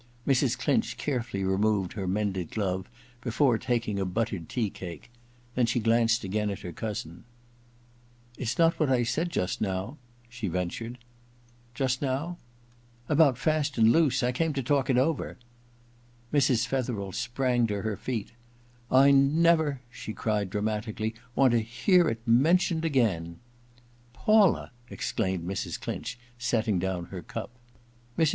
* Mrs. Clinch carefully removed her mended glove before taking a buttered tea cake ; then she glanced again at her cousin. * It's not what I said just no w i * she ventured. * Just now ?* 99 loo EXPIATION in * About *' Fast and Loose "? I came to talk it over/ Mrs, Fethercl sprang to her feet * I never,' she cried dramatically, 'want to hear it men tioned again !Paula !' exdsdmed Mrs. Clinch, setting down her cup. Mrs.